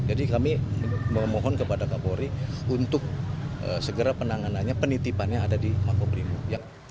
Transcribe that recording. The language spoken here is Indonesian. jadi kami memohon kepada kapolri untuk segera penanganannya penitipannya ada di makobrimob